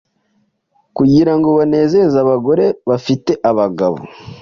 kugira ngo banezeze abagore bafite abagabo